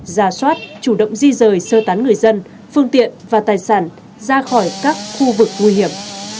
giả soát chủ động di rời sơ tán người dân phương tiện và tài sản ra khỏi các khu vực nguy hiểm